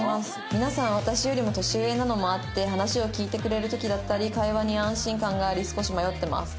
「皆さん私よりも年上なのもあって話を聞いてくれる時だったり会話に安心感があり少し迷ってます」